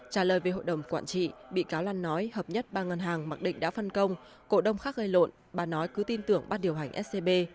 trả lời về hội đồng quản trị bị cáo lan nói hợp nhất ba ngân hàng mặc định đã phân công cổ đông khác gây lộn bà nói cứ tin tưởng ban điều hành scb